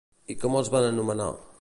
I com els va anomenar?